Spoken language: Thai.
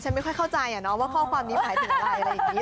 ฉันไม่ค่อยเข้าใจอ่ะเนาะว่าข้อความนี้ภายถึงอะไร